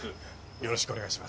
よろしくお願いします。